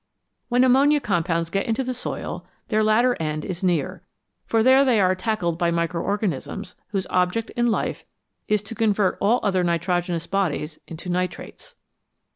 When ammonia compounds get into the soil their latter end is near, for there they are tackled by micro organisms whose object in life it is to convert all other nitrogenous bodies into nitrates.